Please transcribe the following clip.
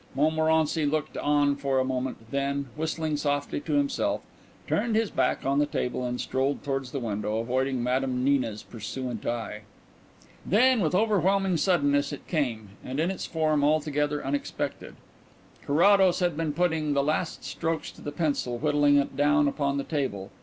Montmorency looked on for a moment, then, whistling softly to himself, turned his back on the table and strolled towards the window, avoiding Madame Nina's pursuant eye. Then, with overwhelming suddenness, it came, and in its form altogether unexpected. Carrados had been putting the last strokes to the pencil, whittling it down upon the table.